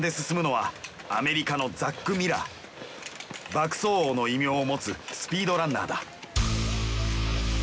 爆走王の異名を持つスピードランナーだ。